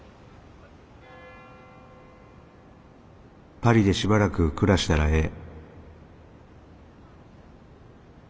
「パリでしばらく暮らしたらええ」。